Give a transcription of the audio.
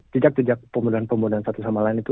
tijak tijak pemudaan pemudaan satu sama lain itu